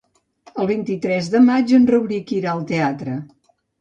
El vint-i-tres de maig en Rauric irà al teatre.